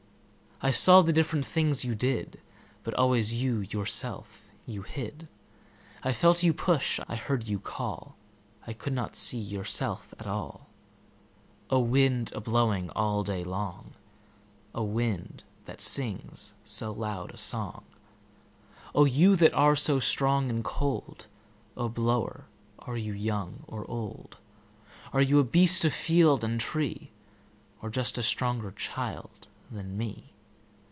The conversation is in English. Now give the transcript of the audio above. I saw the different things you did, But always you yourself you hid.I felt you push, I heard you call,I could not see yourself at all—O wind, a blowing all day long,O wind, that sings so loud a songO you that are so strong and cold,O blower, are you young or old? Are you a beast of field and tree, Or just a stronger child than me?